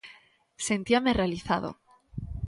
Sentíame realizado.